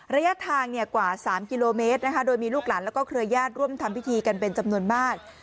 ระยะทางกว่า๓กิโลเมตรนะคะโดยมีลูกหลานแล้วก็เครือญาติร่วมทำพิธีกันเป็นจำนวนมาก